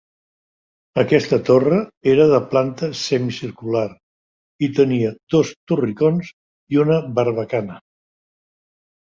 Aquesta torre era de planta semicircular i tenia dos torricons i una barbacana.